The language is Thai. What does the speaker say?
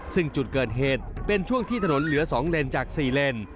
ซึ่งจุดเกิดเหตุเป็นช่วงที่ถนนเหลือ๒เลนจาก๔เลน